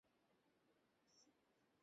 খাবারও দেয় না।